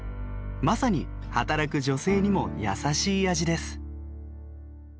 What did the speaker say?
まさに働く女性にも優しい味です。